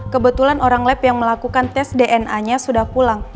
kebetulan orang lab yang melakukan tes dna nya sudah pulang